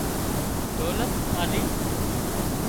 ڌولت آلي